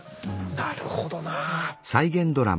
なるほどな。